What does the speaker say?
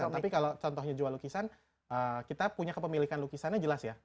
tapi kalau contohnya jual lukisan kita punya kepemilikan lukisannya jelas ya